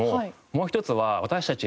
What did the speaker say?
もう一つは私たち